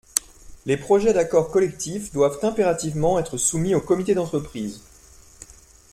Les projets d’accord collectif doivent impérativement être soumis au comité d’entreprise.